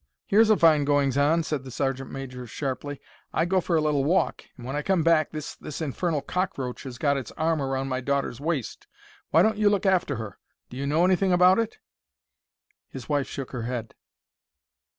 "Here's fine goings on!" said the sergeant major, sharply. "I go for a little walk, and when I come back this—this infernal cockroach has got its arm round my daughter's waist. Why don't you look after her? Do you know anything about it?" His wife shook her head.